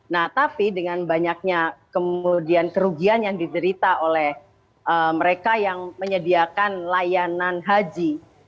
nah tapi dengan banyaknya kemudian kerugian yang diderita oleh mereka yang menyediakan layanan haji